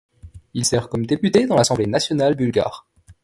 Il sert comme député dans l'Assemblée nationale bulgare.